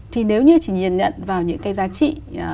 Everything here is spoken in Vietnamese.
thì nếu như chỉ nhìn nhận vào những cái giá trị